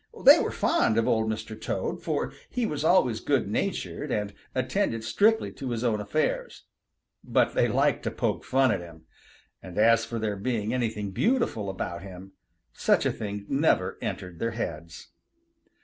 They were fond of Old Mr. Toad, for he was always good natured and attended strictly to his own affairs; but they liked to poke fun at him, and as for there being anything beautiful about him, such a thing never entered their heads.